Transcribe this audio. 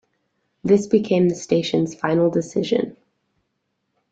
This became the station's final decision.